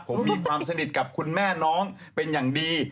ผมมีความสนิทกับคุณแม่น้องเป็นอย่างดี